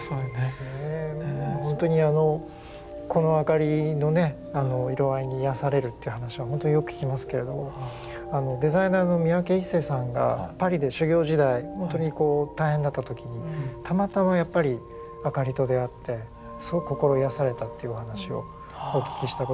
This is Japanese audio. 本当にこのあかりのね色合いに癒やされるっていう話はほんとによく聞きますけれどもデザイナーの三宅一生さんがパリで修業時代大変だった時にたまたまやっぱりあかりと出会ってすごく心癒やされたっていうお話をお聞きしたことがあります。